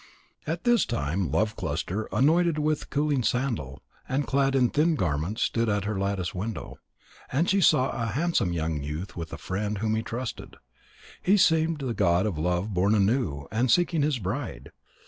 At this time Love cluster, anointed with cooling sandal, and clad in thin garments stood at her lattice window. And she saw a handsome youth with a friend whom he trusted. He seemed the god of love born anew and seeking his bride.